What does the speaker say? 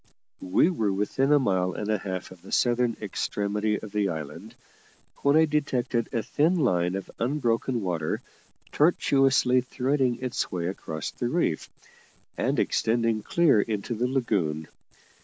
We were within a mile and a half of the southern extremity of the island, when I detected a thin line of unbroken water tortuously threading its way across the reef, and extending clear into the lagoon.